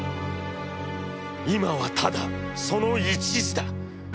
いまはただその一事だ。